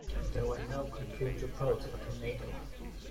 There were no confirmed reports of a tornado.